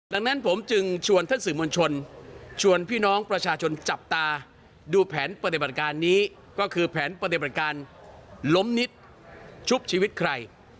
ดังนั้นผมจึงชวนท่านสื่อมวลชนชวนพี่น้องประชาชนจับตาดูแผนปฏิบัติการนี้ก็คือแผนปฏิบัติการล้มนิดชุบชีวิตใคร